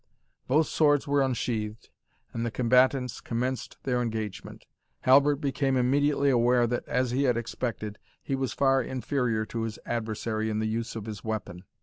Both swords were unsheathed, and the combatants commenced their engagement. Halbert became immediately aware, that, as he had expected, he was far inferior to his adversary in the use of his weapon.